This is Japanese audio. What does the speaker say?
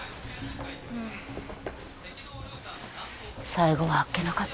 最期はあっけなかったな。